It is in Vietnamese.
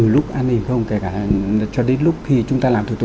là chúng ta tắt